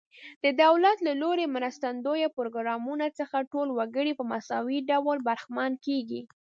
د دولت له لوري مرستندویه پروګرامونو څخه ټول وګړي په مساوي ډول برخمن کیږي.